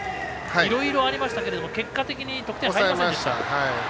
いろいろありましたけども結果的に得点、入りませんでした。